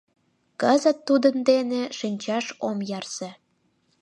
Кызыт тудын дене шинчаш ом ярсе.